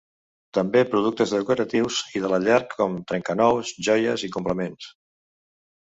També productes decoratius i de la llar com trencanous, joies i complements.